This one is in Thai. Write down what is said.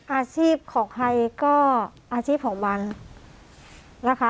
อาชีพของใครก็อาชีพของมันนะคะ